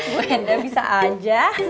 bu edah bisa aja